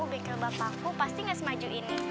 bengkel bapak aku pasti gak semaju ini